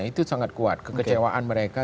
itu sangat kuat kekecewaan mereka